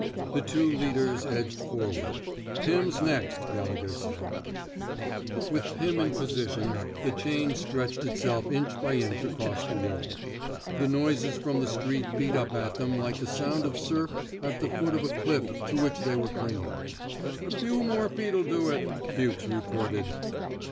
The two leaders edged forward. Pirn's next," Gallegher said. 26 THE BED INK SQUAD'' With Pirn in position, the chain stretched itself inch by inch across the wall. The noises from the street beat up at them like the sound of surf at the foot of a cliff to which they were clinging. '* A few feet more '11 do it,'' Fuchs re ported.